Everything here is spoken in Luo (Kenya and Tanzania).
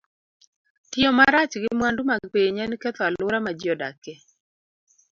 Tiyo marach gi mwandu mag piny en ketho alwora ma ji odakie.